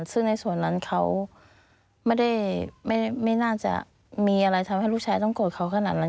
ซึ่งในส่วนนั้นเขาไม่ได้ไม่น่าจะมีอะไรทำให้ลูกชายต้องโกรธเขาขนาดนั้น